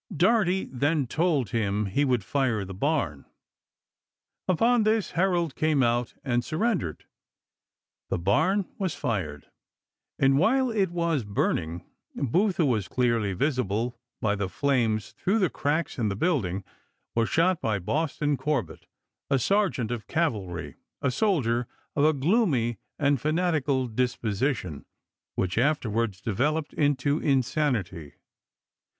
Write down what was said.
Doherty then told him he would fire the barn ; upon 312 ABRAHAM LINCOLN chat. xv. this Herold came out and surrendered. The barn was fired, and while it was burning, Booth, who was clearly visible by the flames through the cracks in the building, was shot by Boston Cor bett, a sergeant of cavalry, a soldier of a gloomy and fanatical disposition, which afterwards devel oped into insanity.